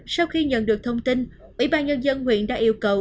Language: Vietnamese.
sau khi nhận được thông tin ủy ban nhân dân huyện đã yêu cầu